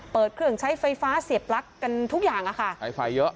เปิดเครื่องใช้ไฟฟ้าเสียบปลั๊กกันทุกอย่างอะค่ะใช้ไฟเยอะ